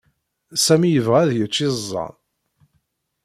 Sami yella yebɣa ad yečč iẓẓan.